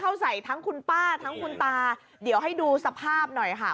เข้าใส่ทั้งคุณป้าทั้งคุณตาเดี๋ยวให้ดูสภาพหน่อยค่ะ